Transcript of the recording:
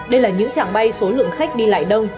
đây là những trạng bay số lượng khách đi lại đông